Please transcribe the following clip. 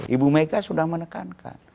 ibu mega sudah menekankan